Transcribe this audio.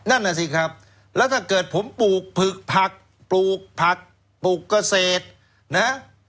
นั่นน่ะสิครับแล้วถ้าเกิดผมปลูกผึกผักปลูกผักปลูกเกษตรนะ